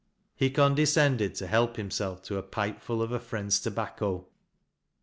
He condescended to help himself to a pipe full of a friend'i tobacco.